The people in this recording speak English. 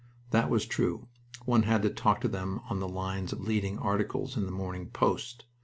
That was true. One had to talk to them on the lines of leading articles in The Morning Post.